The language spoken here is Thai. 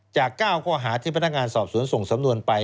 จาก๙ข้อหาที่พนักงานสอบสวนส่งสำนวนไป